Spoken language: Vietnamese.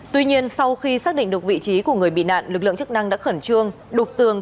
tuy nhiên sau khi xác định được vị trí của người bị nạn lực lượng chức năng đã khẩn trương đục tường